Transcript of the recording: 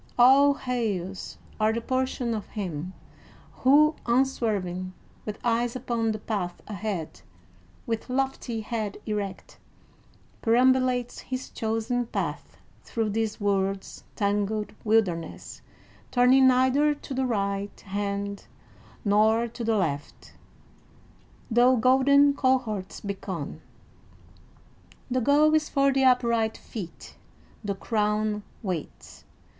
All hails are the portion of him, who, unswerving, with eyes upon the path ahead, with lofty head erect, perambulates his chosen path through this world's tangled wilderness, turning neither to the right hand nor to the left, though golden cohorts beckon. The goal is for the upright feet. The crown waits....